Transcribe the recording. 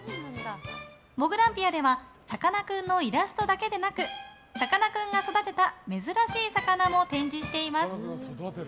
もぐらんぴあではさかなクンのイラストだけでなくさかなクンが育てた珍しい魚も展示しています。